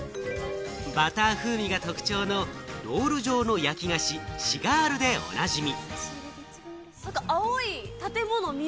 バター風味が特徴のロール状の焼き菓子・シガールでおなじみ。